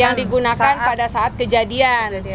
yang digunakan pada saat kejadian